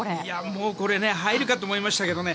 もうこれね、入るかと思いましたけどね。